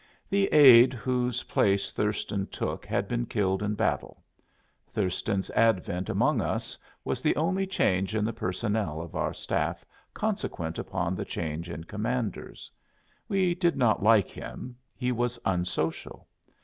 The aide whose place Thurston took had been killed in battle; Thurston's advent among us was the only change in the personnel of our staff consequent upon the change in commanders. We did not like him; he was unsocial.